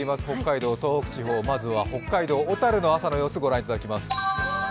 北海道・東北地方まずは北海道・小樽の朝の様子、御覧いただきます。